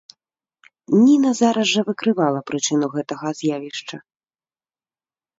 Ніна зараз жа выкрывала прычыну гэтага з'явішча.